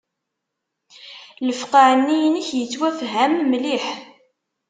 Lefqeε-nni-inek yettwfham mliḥ...